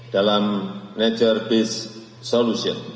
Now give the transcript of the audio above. dalam solusi terbasar